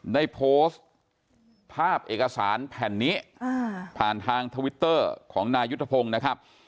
ได้โพสต์ภาพเอกสารแผ่นนี้ผ่านทางทวิตเตอร์ของนายุทธพงศ์นะครับ